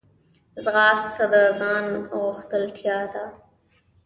ځغاسته د ځان غښتلتیا ده